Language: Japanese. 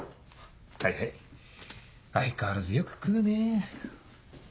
はいはい相変わらずよく食うね。